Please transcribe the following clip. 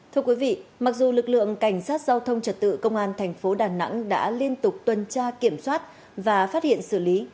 thưa quý vị mặc dù lực lượng cảnh sát giao thông trật tự công an thành phố đà nẵng đã liên tục tuần tra kiểm soát và phát hiện xử lý